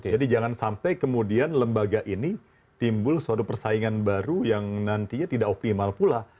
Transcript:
jadi jangan sampai kemudian lembaga ini timbul suatu persaingan baru yang nantinya tidak optimal pula